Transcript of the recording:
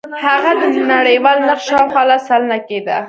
هغه د نړیوال نرخ شاوخوا لس سلنه کېده.